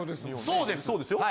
そうですよ。